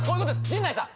陣内さん